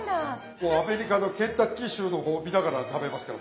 もうアメリカのケンタッキー州の方を見ながら食べますから。